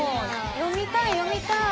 読みたい読みたい。